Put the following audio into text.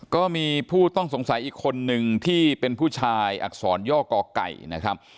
ก็มีผู้ต้องสงสัยอีกคนนึงที่เป็นผู้ชายอักษรย่อก่อไก่นะครับ